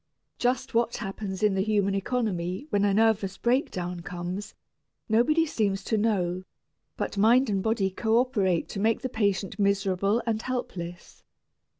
Just what happens in the human economy when a "nervous breakdown" comes, nobody seems to know, but mind and body coöperate to make the patient miserable and helpless.